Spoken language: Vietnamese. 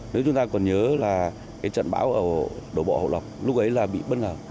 nếu chúng ta còn nhớ là cái trận bão ở đổ bộ hậu lộc lúc ấy là bị bất ngờ